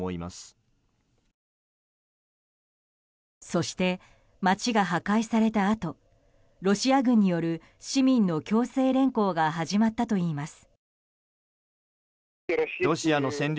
そして街が破壊されたあとロシア軍による市民の強制連行が始まったといいます。